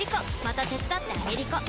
また手伝ってあげりこ！